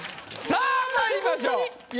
さぁまいりましょう。